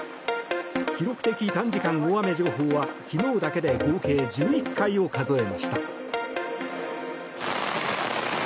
記録的短時間大雨情報は昨日だけで合計１１回を数えました。